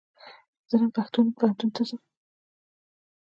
زه نن پوهنتون ته ځم